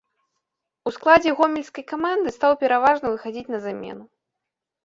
У складзе гомельскай каманды стаў пераважна выхадзіць на замену.